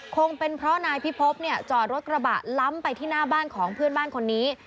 คงเป็นเพราะนายพิพบเนี่ยจอดรถกระบะล้ำไปที่หน้าบ้านของเพื่อนบ้านคนนี้